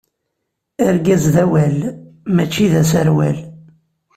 Argaz d awal, mačči d aserwal.